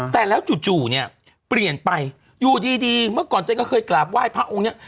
แต่แล้วจู่เนี่ยเปลี่ยนไปอยู่ดีเมื่อก่อนตัวเองก็เคยกราบไหว้พระองค์เนี่ย